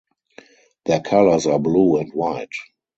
Their colors are blue and white.